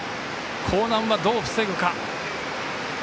興南は、どう防ぐか。